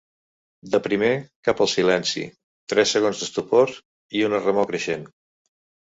De primer cap al silenci, tres segons d'estupor i una remor creixent.